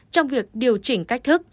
trong việc điều chỉnh cách thức